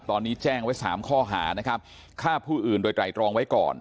ตอนนี้แจ้งไว้๓ข้อหานะครับฆ่าผู้อื่นโดยไตรตรองไว้ก่อน